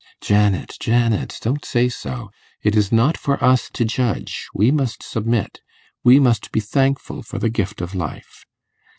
'Janet, Janet, don't say so. It is not for us to judge; we must submit; we must be thankful for the gift of life.